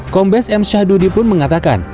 kombes m syahdudi pun mengatakan